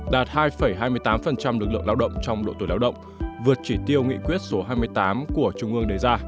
đạt hai hai mươi tám lực lượng lao động trong độ tuổi lao động vượt chỉ tiêu nghị quyết số hai mươi tám của trung ương đề ra